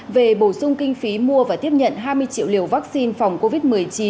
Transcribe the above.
về bổ sung kinh phí mua và tiếp nhận hai mươi triệu liều vaccine phòng covid một mươi chín